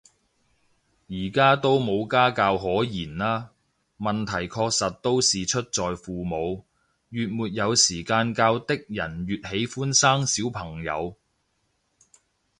而家都冇家教可言啦，問題確實都是出在父母，越沒有時間教的人越喜歡生小朋友